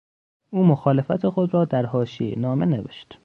او مخالفت خود را در حاشیهی نامه نوشت.